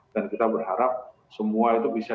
dan kita berharap semua itu bisa